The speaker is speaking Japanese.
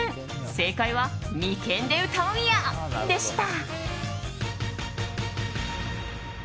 正解は、眉間で歌うんや！でした。